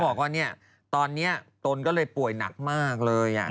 บอกว่าตอนนี้ตนก็เลยป่วยหนักมากเลย